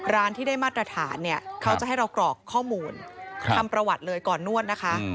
ร้านที่ได้มาตรฐานเนี่ยเขาจะให้เรากรอกข้อมูลทำประวัติเลยก่อนนวดนะคะ